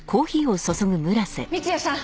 三ツ矢さん！